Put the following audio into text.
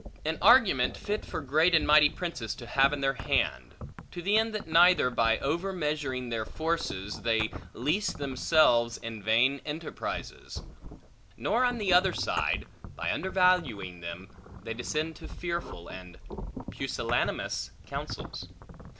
An argument fit for great and mighty princes to have in their hand; to the end that neither by over measuring their forces, they leese themselves in vain enterprises; nor on the other side, by undervaluing them, they descend to fearful and pusillanimous counsels.